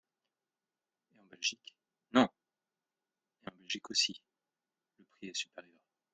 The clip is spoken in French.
Et en Belgique ? Non ! En Belgique aussi, le prix est supérieur.